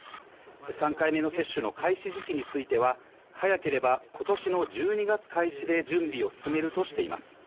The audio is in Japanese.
３回目の接種の開始時期については、早ければことしの１２月開始で準備を進めるとしています。